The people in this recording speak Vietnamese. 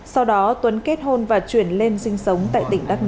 sau đó tuấn kết hôn và chuyển lên sinh sống tại tỉnh đắk nông